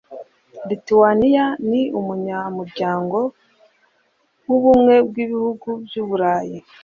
Lituwaniya ni umunyamuryango w’ubumwe bw’ibihugu by’Uburayi.